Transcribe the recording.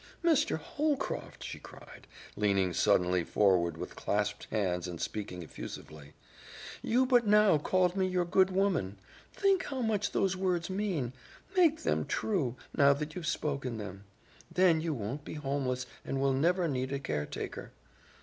"Mr. Holcroft," she cried, leaning suddenly forward with clasped hands and speaking effusively, "you but now called me your good woman. Think how much those words mean. Make them true, now that you've spoken them. Then you won't be homeless and will never need a caretaker."